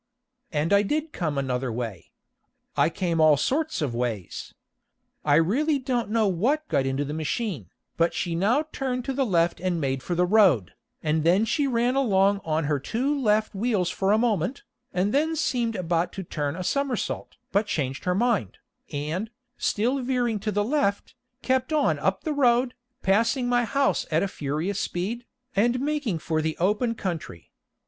And I did come another way. I came all sorts of ways. I really don't know what got into the machine, but she now turned to the left and made for the road, and then she ran along on her two left wheels for a moment, and then seemed about to turn a somersault, but changed her mind, and, still veering to the left, kept on up the road, passing my house at a furious speed, and making for the open country.